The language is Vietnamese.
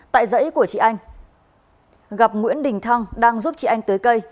tại dãy của chị anh gặp nguyễn đình thăng đang giúp chị anh tới cây